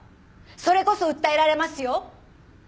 それこそ訴えられますよ！